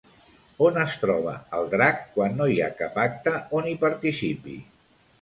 On es troba el drac quan no hi ha cap acte on hi participi?